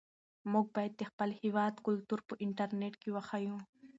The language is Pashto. موږ باید د خپل هېواد کلتور په انټرنيټ کې وښیو.